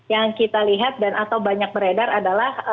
yang kita lihat dan atau banyak beredar adalah